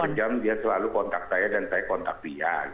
satu jam dia selalu kontak saya dan saya kontak dia